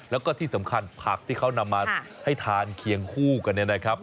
แล้วก็ที่สำคัญผักที่เขานำมาให้ทานเคียงคู่กันเนี่ยนะครับ